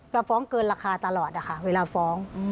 ฟ้องเกินราคาตลอดนะคะเวลาฟ้อง